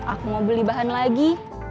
aku mau beli bahan lagi